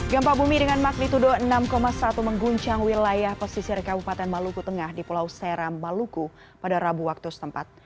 gempa bumi dengan magnitudo enam satu mengguncang wilayah pesisir kabupaten maluku tengah di pulau seram maluku pada rabu waktu setempat